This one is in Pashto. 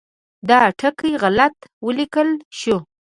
دا ټکی غلط ولیکل شو.